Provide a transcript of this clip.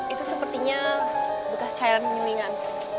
itu sepertinya bekas cairan gilingan